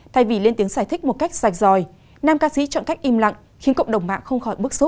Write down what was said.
thay vì lên tiếng giải thích một cách sạch dòi nam ca sĩ chọn cách im lặng khiến cộng đồng mạng không khỏi bức xúc